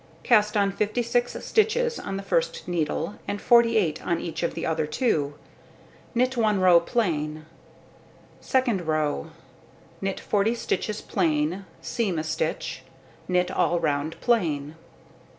Cast on 56 stitches on the first needle, and 48 on each of the other 2. Knit 1 row plain. Second row: knit 40 stitches plain, seam a stitch, knit all round plain.